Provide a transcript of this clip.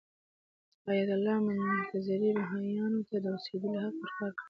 ایت الله منتظري بهايانو ته د اوسېدو حق ورکړ.